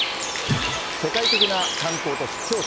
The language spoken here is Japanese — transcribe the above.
世界的な観光都市、京都。